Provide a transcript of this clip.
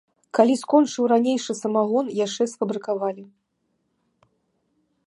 Калі скончыўся ранейшы самагон, яшчэ сфабрыкавалі.